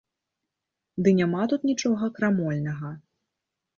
Ды няма тут нічога крамольнага!